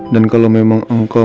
dan kalau memang engkau